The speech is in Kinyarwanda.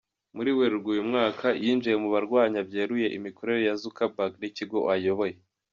Muri Werurwe, uyu mwaka, yinjiye mu barwanya byeruye imikorere ya Zuckerberg n’ikigo ayoboye.